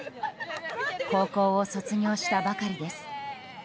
高校を卒業したばかりです。